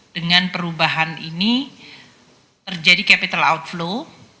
dengan perubahan ini terjadi capital outflow